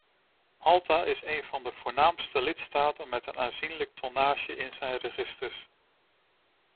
Malta is een van de voornaamste lidstaten met een aanzienlijke tonnage in zijn registers.